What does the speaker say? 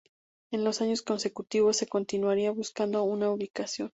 En los años consecutivos, se continuaría buscando una ubicación.